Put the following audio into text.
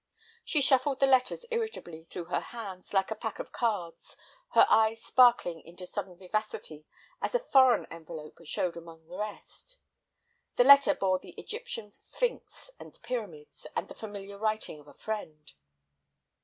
She shuffled the letters irritably through her hands like a pack of cards, her eyes sparkling into sudden vivacity as a foreign envelope showed among the rest. The letter bore the Egyptian Sphinx and pyramids, and the familiar writing of a friend.